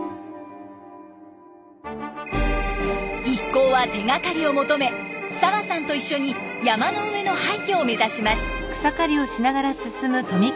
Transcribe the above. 一行は手がかりを求め澤さんと一緒に山の上の廃虚を目指します。